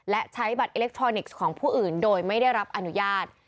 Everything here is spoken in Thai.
และใช้บัตรอิเล็กทรอนิกส์ของผู้อื่นโดยไม่ได้รับอนุญาต